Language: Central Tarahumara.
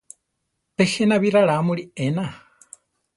Pe jéna bi ralamuli ená.